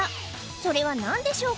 それは何でしょうか？